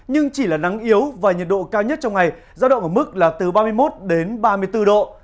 nhưng chỉ là nắng yếu và nhiệt độ cao nhất trong ngày giao động ở mức là từ ba mươi một đến ba mươi bốn độ